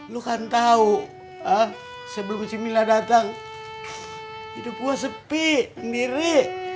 lo kan tau sebelum si mila datang hidup gue sepi sendiri